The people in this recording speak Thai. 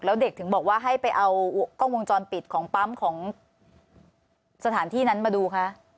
แล้วเด็กถึงบอกว่าให้ไปเอากล้องวงจรปิดของปั๊มของสถานที่นั้นมาดูคะ